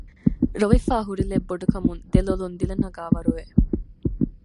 ރޮވިފައި ހުރިލެތް ބޮޑު ކަމުން ދެ ލޮލުން ދިލަ ނަގާވަރު ވެ